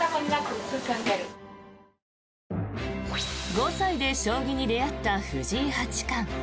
５歳で将棋に出会った藤井八冠。